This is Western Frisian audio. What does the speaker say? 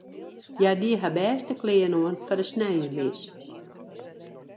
Hja die har bêste klean oan foar de sneinsmis.